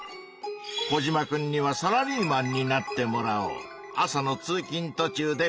コジマくんにはサラリーマンになってもらおう。